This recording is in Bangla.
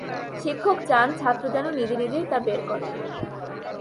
শিক্ষক চান ছাত্র যেন নিজে নিজেই তা বের করে।